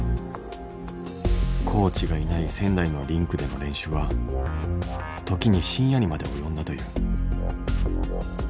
コーチがいない仙台のリンクでの練習は時に深夜にまで及んだという。